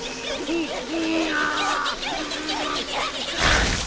うっ！